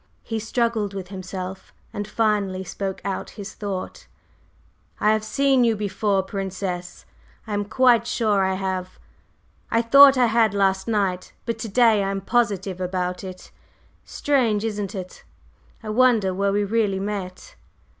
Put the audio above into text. He struggled with himself, and finally spoke out his thought: "I have seen you before, Princess; I am quite sure I have! I thought I had last night; but to day I am positive about it. Strange, isn't it? I wonder where we really met?"